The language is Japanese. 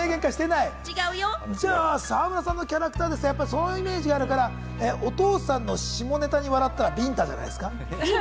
じゃあ、沢村さんのキャラクターでそのイメージあるから、お父さんの下ネタに笑ったらビンタじゃないですか？